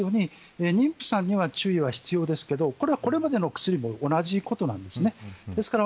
ただ、そこにありますように妊婦さんには注意は必要ですがこれは、これまでの薬も同じことなんです。